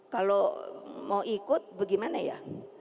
kalau mau ikut bagaimana ya